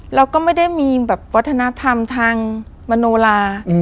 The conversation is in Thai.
เราก็ไม่ได้มีวัฒนธรรมทางโนราคม